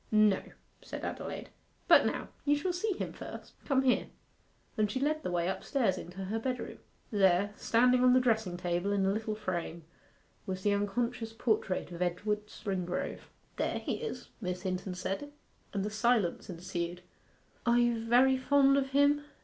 'No,' said Adelaide. 'But now, you shall see him first; come here;' and she led the way upstairs into her bedroom. There, standing on the dressing table in a little frame, was the unconscious portrait of Edward Springrove. 'There he is,' Miss Hinton said, and a silence ensued. 'Are you very fond of him?